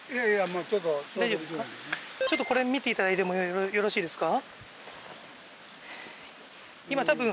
ちょっとこれ見ていただいてもよろしいですか？